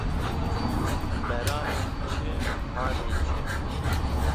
Beranên çi halê çi?